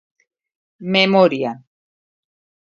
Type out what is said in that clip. Memoria.